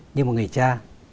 như một người cha